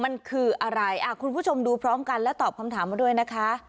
มันคืออะไรคุณผู้ชมดูพร้อมกันและตอบคำถามมาด้วยนะคะ